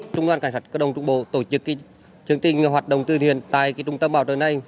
trung đoàn cảnh sát các đồng trung bộ tổ chức chương trình hoạt động tư thiền tại trung tâm bảo trời này